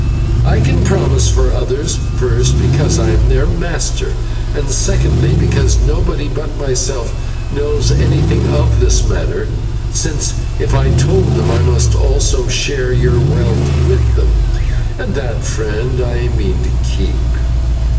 "I can promise for others, first, because I am their master, and, secondly, because nobody but myself knows anything of this matter, since, if I told them, I must also share your wealth with them, and that, friend, I mean to keep.